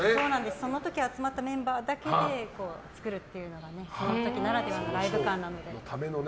その時集まったメンバーで作れるっていうのはその時ならではのライブ感なので。